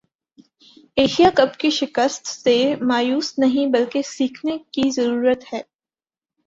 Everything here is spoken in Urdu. ایشیا کپ کی شکست سے مایوس نہیں بلکہ سیکھنے کی ضرورت ہے